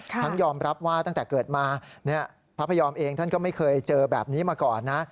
ยอมรับว่าตั้งแต่เกิดมาพระพยอมเองท่านก็ไม่เคยเจอแบบนี้มาก่อนนะ